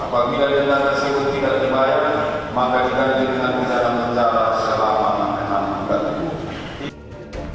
apabila diantara siut tidak dibayang maka ikut dengan penjara selama enam tahun